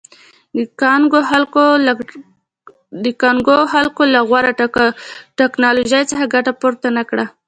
د کانګو خلکو له غوره ټکنالوژۍ څخه ګټه پورته نه کړه.